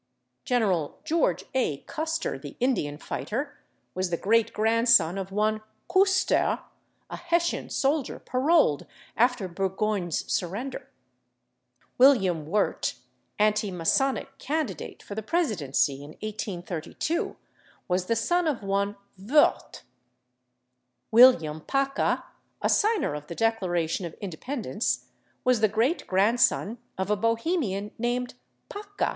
General George A. /Custer/, the Indian fighter, was the great grandson of one /Küster/, a Hessian soldier paroled after Burgoyne's surrender. William /Wirt/, anti Masonic candidate for the presidency in 1832, was the son of one /Wörth/. William /Paca/, a signer of the Declaration of Independence, was the great grandson of a Bohemian named /Paka